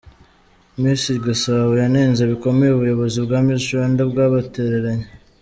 Miss Igisabo yanenze bikomeye ubuyobozi bwa Miss Rwada bwabatereranye.